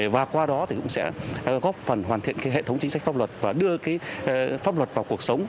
và qua đó thì cũng sẽ góp phần hoàn thiện hệ thống chính sách pháp luật và đưa pháp luật vào cuộc sống